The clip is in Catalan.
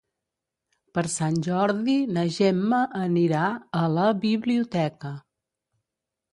Per Sant Jordi na Gemma anirà a la biblioteca.